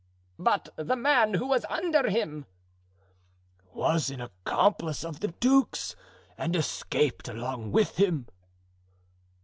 "But the man who was under him?" "Was an accomplice of the duke's and escaped along with him."